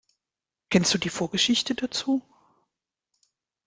Kennst du die Vorgeschichte dazu?